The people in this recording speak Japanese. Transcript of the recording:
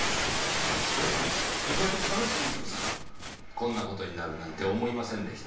こんなことになるなんて思いませんでした。